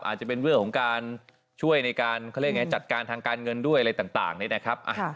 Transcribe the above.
อาจจะเป็นเรื่องของการช่วยในการเขาเรียกไงจัดการทางการเงินด้วยอะไรต่างนี่นะครับ